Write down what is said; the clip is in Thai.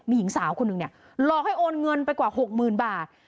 มีหญิงสาวคนหนึ่งเนี่ยหลอกให้โอนเงินไปกว่า๖๐๐๐บาท